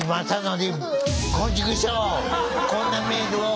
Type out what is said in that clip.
こんなメールを！